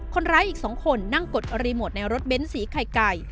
คนร้ายอีก๒คนนั่งกดรีโมทในรถเบ้นสีไข่ไก่